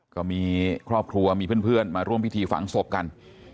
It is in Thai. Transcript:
ก็มีครอบครัวมีเพื่อนมาร่วมพิธีฝังศพกัน